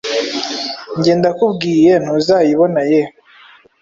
njye ndakubwiye ntuzayibona ye